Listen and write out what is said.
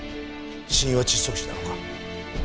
死因は窒息死なのか？